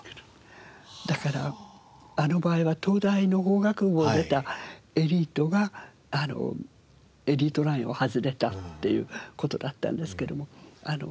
だからあの場合は東大の法学部を出たエリートがエリートラインを外れたっていう事だったんですけども。